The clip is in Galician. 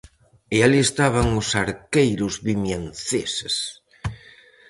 E alí estaban os arqueiros vimianceses.